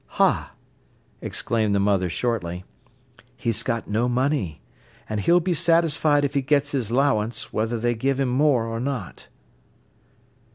"Ha!" exclaimed the mother shortly. "He's got no money. An' he'll be satisfied if he gets his 'lowance, whether they give him more or not."